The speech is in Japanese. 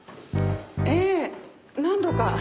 ええ何度か。